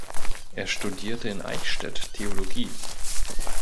Er studierte in Eichstätt Theologie.